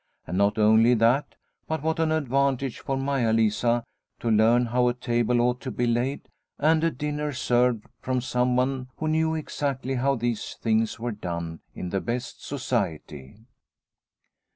And not only that, but what an advantage for Maia Lisa to learn how a table ought to be laid and a dinner served from someone who knew exactly how these things were done in the best society.